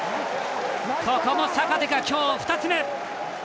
ここも坂手が今日２つ目！